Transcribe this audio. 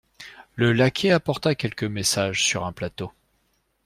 Le laquais apporta quelques messages sur un plateau.